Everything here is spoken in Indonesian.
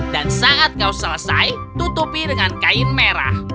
dan saat kau selesai tutupi dengan kain merah